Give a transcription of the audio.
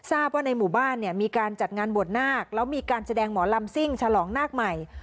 เรียกสามอยู่แห่งกรรมของกรุมประชาธรรณนะคะ